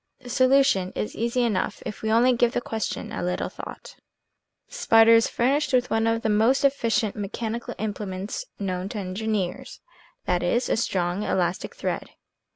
The solution is easy enough if we only give the question a little thought. The spider is furnished with one of the most efficient mechanical implements known to engineers, viz., a strong elastic thread.